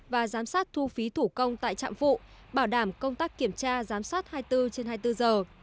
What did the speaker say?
và giám sát thu phí thủ công tại trạm phụ bảo đảm công tác kiểm tra giám sát hai mươi bốn trên hai mươi bốn giờ